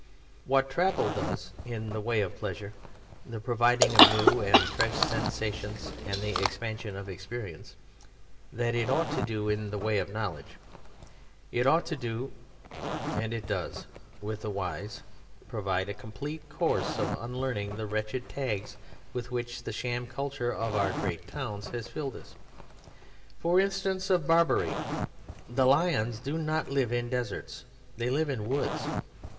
What travel does in the way of pleasure (the providing of new and fresh sensations, and the expansion of experience), that it ought to do in the way of knowledge. It ought to and it does, with the wise, provide a complete course of unlearning the wretched tags with which the sham culture of our great towns has filled us. For instance, of Barbary the lions do not live in deserts; they live in woods.